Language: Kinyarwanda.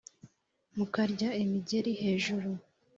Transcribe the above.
Mukarya imigeli hejuru